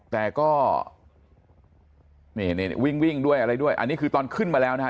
แต่ก็นี่วิ่งวิ่งด้วยอะไรด้วยอันนี้คือตอนขึ้นมาแล้วนะฮะ